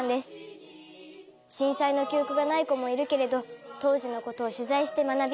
震災の記憶がない子もいるけれど当時のことを取材して学び